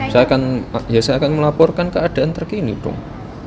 saya akan melaporkan keadaan terkini dong